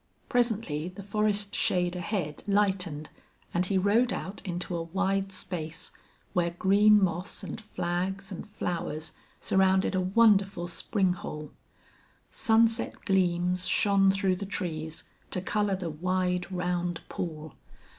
Presently the forest shade ahead lightened and he rode out into a wide space where green moss and flags and flowers surrounded a wonderful spring hole. Sunset gleams shone through the trees to color the wide, round pool.